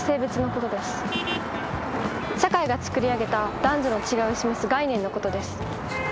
社会が作り上げた男女の違いを示す概念のことです。